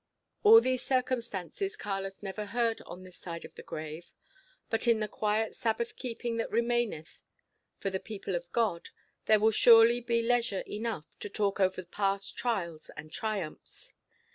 All these circumstances Carlos never heard on this side of the grave. But in the quiet Sabbath keeping that remaineth for the people of God, there will surely be leisure enough to talk over past trials and triumphs.